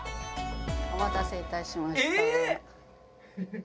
お待たせいたしました。